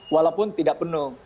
walaupun tidak penuh